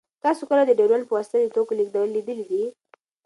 تاسو کله د ډرون په واسطه د توکو لېږدول لیدلي دي؟